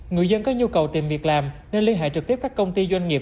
người dân có nhu cầu tìm việc làm nên liên hệ trực tiếp các công ty doanh nghiệp